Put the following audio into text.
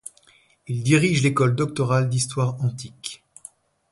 Il dirige l'école doctorale d'histoire antique.